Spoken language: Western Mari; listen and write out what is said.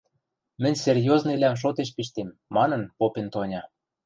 Мӹнь серьезныйвлӓм шотеш пиштем, — манын попен Тоня.